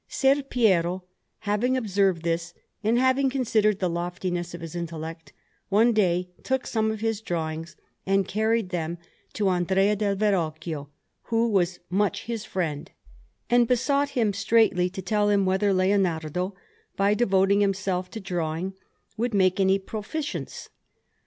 Ser Piero, having observed this, and having considered the loftiness of his intellect, one day took some of his drawings and carried them to Andrea del Verrocchio, who was much his friend, and besought him straitly to tell him whether Leonardo, by devoting himself to drawing, would make any proficience.